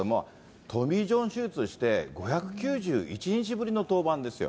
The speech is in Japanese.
トミー・ジョン手術して、５９１日ぶりの登板ですよ。